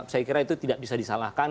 saya kira itu tidak bisa disalahkan